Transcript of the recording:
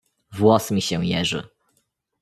"Włos mi się jeży."